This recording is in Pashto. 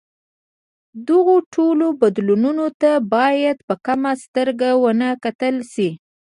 دغو ټولو بدلونونو ته باید په کمه سترګه ونه کتل شي.